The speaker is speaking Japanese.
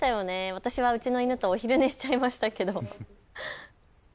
私はうちの犬とお昼寝しちゃいましたけど。